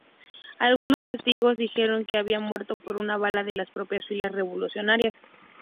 Algunos testigos dijeron que había muerto por una bala de las propias filas revolucionarias.